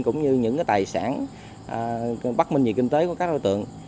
cũng như những cái tài sản bắt minh về kinh tế của các đối tượng